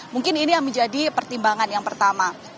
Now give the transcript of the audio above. mungkin ini yang menjadi pertimbangan yang pertama